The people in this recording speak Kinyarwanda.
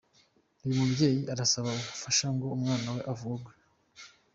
Uyu mubyeyi arasaba ubufasha ngo umwana we avugwe.